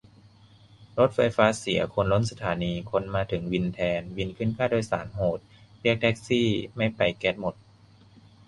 รถไฟฟ้าเสีย คนล้นสถานี คนมาขึ้นวินแทน วินขึ้นค่าโดยสารโหด เรียกแท็กซี่ไม่ไปแก๊สหมด